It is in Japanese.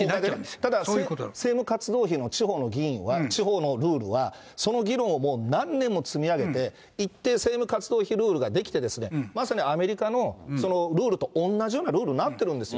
ただ政務活動費、地方の議員は、地方のルールは、その議論を何年も積み上げて、一定政務活動費ルールが出来て、まさにアメリカのルールと同じようなルールになってるんですよ。